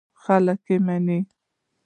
خلک یې مني.